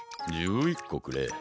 １１こくれ。